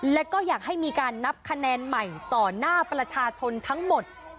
และก็อยากให้มีการนับคะแนนใหม่ต่อหน้าประชาชนทั้งหมด